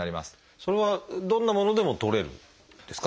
それはどんなものでもとれるんですか？